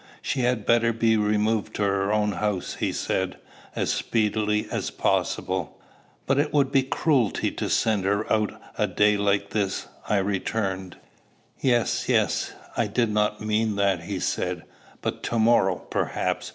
She had better be removed to her own house, he said, as speedily as possible. "But it would be cruelty to send her out a day like this," I returned. "Yes, yes: I did not mean that," he said. "But to morrow, perhaps.